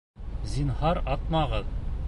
Зинһар, атмағыҙ!